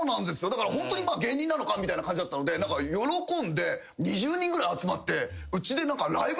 だからホントに芸人なのかみたいな感じだったので喜んで２０人ぐらい集まって。